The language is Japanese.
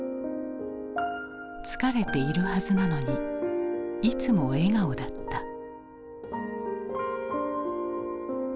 疲れているはずなのにいつも笑顔だった。